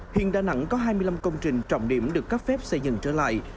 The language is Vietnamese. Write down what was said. hiện đà nẵng có hai mươi năm công trình trọng điểm được cấp phép xây dựng trở lại